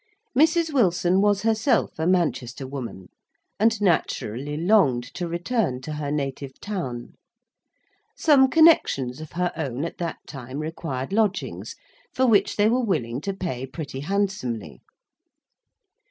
Mrs. Wilson was herself a Manchester woman, and naturally longed to return to her native town. Some connections of her own at that time required lodgings, for which they were willing to pay pretty handsomely.